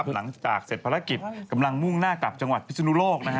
หลังจากเสร็จภารกิจกำลังมุ่งหน้ากลับจังหวัดพิศนุโลกนะฮะ